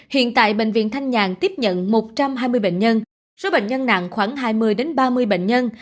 hiện tại bệnh viện thanh nhàn tiếp nhận một trăm hai mươi bệnh nhân số bệnh nhân nặng khoảng hai mươi ba mươi bệnh nhân